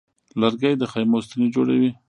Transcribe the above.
لرګی د خیمو ستنې جوړوي.